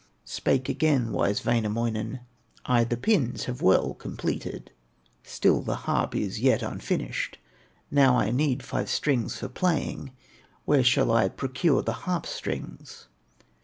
Spake again wise Wainamoinen: "I the pins have well completed, Still the harp is yet unfinished; Now I need five strings for playing, Where shall I procure the harp strings?"